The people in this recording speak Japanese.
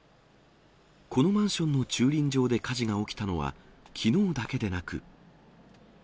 このマンションの駐輪場で火事が起きたのは、きのうだけでなく。